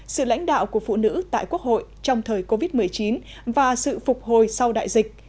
sự lãnh đạo của phụ nữ tại quốc hội trong thời covid một mươi chín và sự phục hồi sau đại dịch